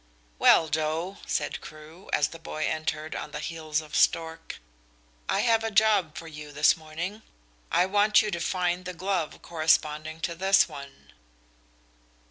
"Well, Joe," said Crewe, as the boy entered on the heels of Stork, "I have a job for you this morning. I want you to find the glove corresponding to this one."